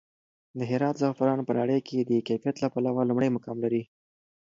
د هرات زعفران په نړۍ کې د کیفیت له پلوه لومړی مقام لري.